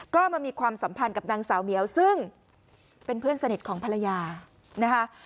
ก็มามีความสัมพันธ์กับนางสาวเหมียวซึ่งเป็นเพื่อนสนิทของภรรยานะคะ